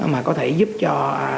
mà có thể giúp cho